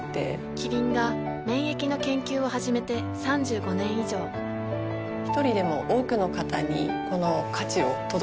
キリンが免疫の研究を始めて３５年以上一人でも多くの方にこの価値を届けていきたいと思っています。